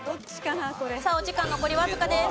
さあお時間残りわずかです。